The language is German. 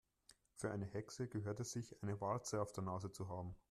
Für eine Hexe gehört es sich, eine Warze auf der Nase zu haben.